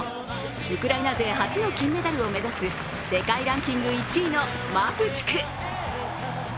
ウクライナ勢初の金メダルを目指す、世界ランキング１位のマフチク。